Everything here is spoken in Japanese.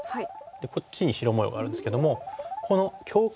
こっちに白模様があるんですけどもこの境界線ですよね。